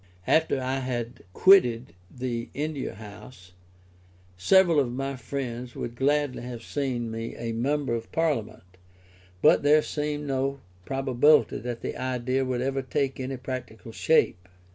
After I had quitted the India House, several of my friends would gladly have seen me a member of Parliament; but there seemed no probability that the idea would ever take any practical shape.